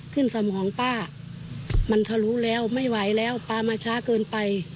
สมองป้ามันทะลุแล้วไม่ไหวแล้วป้ามาช้าเกินไป